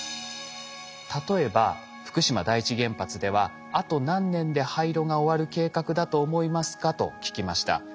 例えば福島第一原発ではあと何年で廃炉が終わる計画だと思いますかと聞きました。